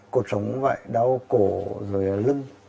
cột sống cũng vậy đau cổ rồi là lưng